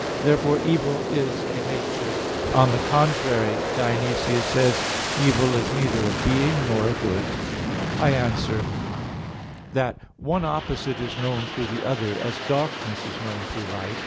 Therefore evil is a nature. On the contrary, Dionysius says (Div. Nom. iv), "Evil is neither a being nor a good." I answer that, One opposite is known through the other, as darkness is known through light.